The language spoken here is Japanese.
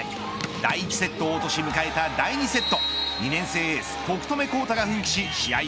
第１セット落とし迎えた第２セット。